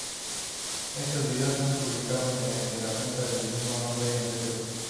Estos vídeos son publicados mediante una cuenta del mismo nombre en YouTube.